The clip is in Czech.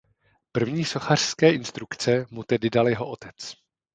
První sochařské instrukce mu tedy dal jeho otec.